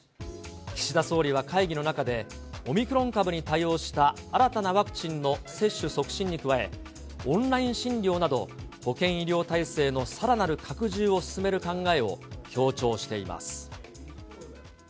岸田総理は会議の中で、オミクロン株に対応した新たなワクチンの接種促進に加え、オンライン診療など、保健医療体制のさらなる拡充を進める考えを強調しています。